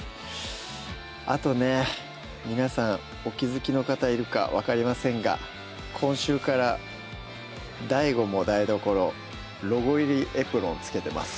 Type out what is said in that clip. あとね皆さんお気付きの方いるか分かりませんが今週からＤＡＩＧＯも台所ロゴ入りエおっ